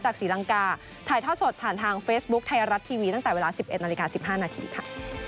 ศรีลังกาถ่ายท่อสดผ่านทางเฟซบุ๊คไทยรัฐทีวีตั้งแต่เวลา๑๑นาฬิกา๑๕นาทีค่ะ